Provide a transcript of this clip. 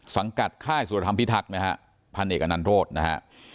สังกัดค่ายสุรธรรมพิทักษ์นะฮะพันเอกอนันโรธนะฮะ